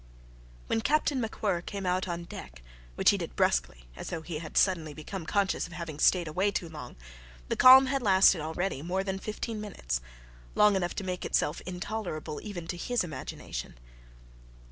When Captain MacWhirr came out on deck, which he did brusquely, as though he had suddenly become conscious of having stayed away too long, the calm had lasted already more than fifteen minutes long enough to make itself intolerable even to his imagination.